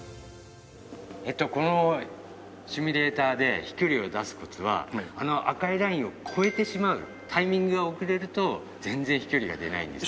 えっとこのシミュレーターで飛距離を出すコツはあの赤いラインを越えてしまうタイミングが遅れると全然飛距離が出ないんです。